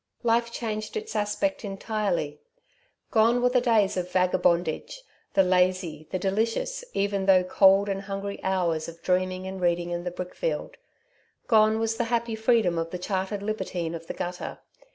Life changed its aspect entirely. Gone were the days of vagabondage, the lazy, the delicious even though cold and hungry hours of dreaming and reading in the brickfield; gone was the happy freedom of the chartered libertine of the gutter.